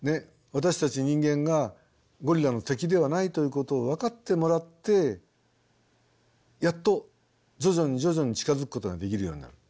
私たち人間がゴリラの敵ではないということを分かってもらってやっと徐々に徐々に近づくことができるようになる。